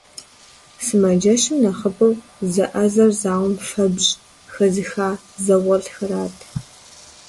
Сымаджэщым нэхъыбэу зэӀэзэр зауэм фэбжь хэзыха зауэлӀхэрат.